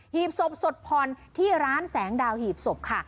ีบศพสดผ่อนที่ร้านแสงดาวหีบศพค่ะ